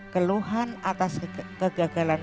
keluhan atas kegagalan